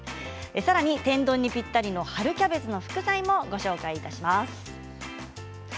さらに、天丼にぴったりの春キャベツの副菜もご紹介いたします。